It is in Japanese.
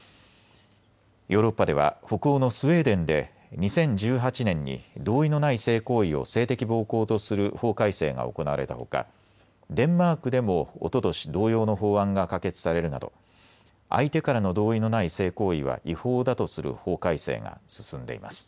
ヨーロッパでは北欧のスウェーデンで２０１８年に同意のない性行為を性的暴行とする法改正が行われたほかデンマークでもおととし同様の法案が可決されるなど相手からの同意のない性行為は違法だとする法改正が進んでいます。